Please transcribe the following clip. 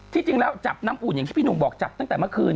จริงแล้วจับน้ำอุ่นอย่างที่พี่หนุ่มบอกจับตั้งแต่เมื่อคืน